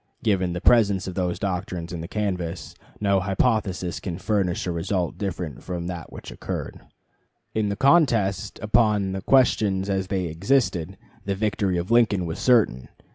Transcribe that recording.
Given the presence of those doctrines in the canvass, no hypothesis can furnish a result different from that which occurred. In the contest upon the questions as they existed, the victory of Lincoln was certain.